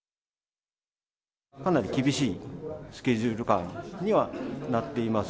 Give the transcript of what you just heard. かなり厳しいスケジュール感にはなっています。